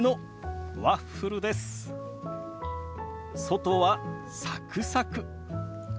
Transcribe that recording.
外はサクサク。